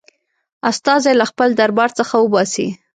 استازی له خپل دربار څخه وباسي.